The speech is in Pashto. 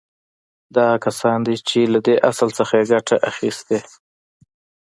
دا هغه کسان دي چې له دې اصل څخه يې ګټه اخيستې.